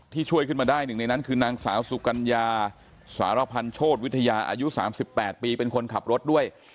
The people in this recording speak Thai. ช่วยขึ้นมาได้หนึ่งในนั้นคือนางสาวสุกัญญาสารพันธ์โชธวิทยาอายุ๓๘ปีเป็นคนขับรถด้วย